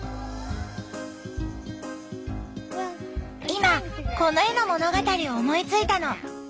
今この絵の物語を思いついたの。